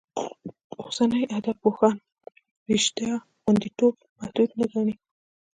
اوسني ادبپوهان رشتیا غوندېتوب محدود نه ګڼي.